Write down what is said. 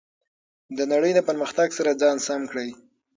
د نړۍ د پرمختګ سره ځان سم کړئ.